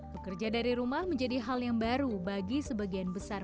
bekerja dari rumah menjadi hal yang baru bagi sebagian besar